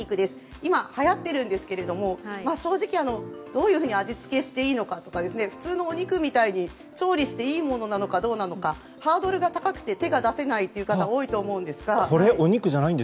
今、はやっているんですが正直、どういうふうに味付けをしていいかとか普通のお肉みたいに調理していいものなのかどうかハードルが高くて手が出せないという方も多いと思うんですが。